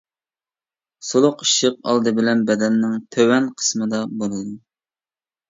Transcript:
سۇلۇق ئىششىق ئالدى بىلەن بەدەننىڭ تۆۋەن قىسمىدا بولىدۇ.